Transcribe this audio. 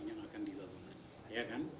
yang akan dilakukan